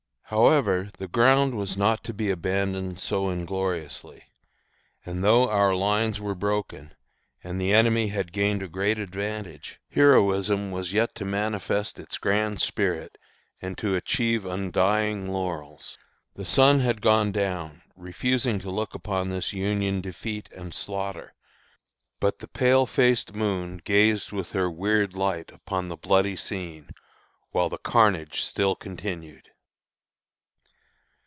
However, the ground was not to be abandoned so ingloriously, and though our lines were broken, and the enemy had gained a great advantage, heroism was yet to manifest its grand spirit, and to achieve undying laurels. The sun had gone down, refusing to look upon this Union defeat and slaughter, but the pale faced moon gazed with her weird light upon the bloody scene, while the carnage still continued.